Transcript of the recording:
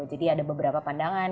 jadi ada beberapa pandangan